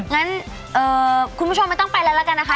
เงินคุณผู้ชมไม่ต้องไปแล้วนะคะ